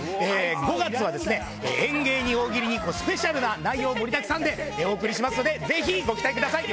５月は演芸に大喜利にスペシャルな内容盛りだくさんでお送りしますのでぜひご期待ください！